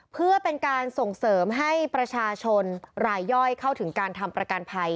เพื่อเป็นการส่งเสริมให้ประชาชนรายย่อยเข้าถึงการทำประกันภัย